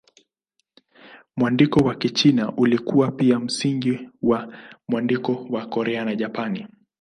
Mwandiko wa Kichina ulikuwa pia msingi wa mwandiko wa Korea na Japani.